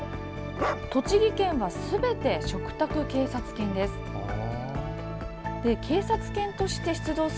栃木県はすべて嘱託警察犬です。